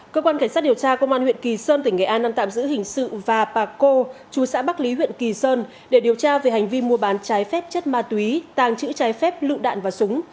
cơ quan cảnh sát điều tra công an huyện kỳ sơn tỉnh nghệ an đang tạm giữ hình sự và bà cô chú xã bắc lý huyện kỳ sơn để điều tra về hành vi mua bán trái phép chất ma túy tàng trữ trái phép lựu đạn và súng